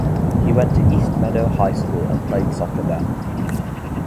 He went to East Meadow High School and played soccer there.